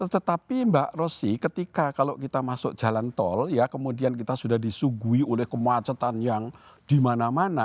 tetapi mbak rosy ketika kalau kita masuk jalan tol ya kemudian kita sudah disuguhi oleh kemacetan yang dimana mana